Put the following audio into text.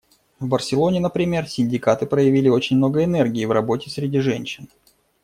В Барселоне, например, синдикаты проявили очень много энергии в работе среди женщин.